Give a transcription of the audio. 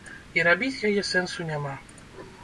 І рабіць яе сэнсу няма.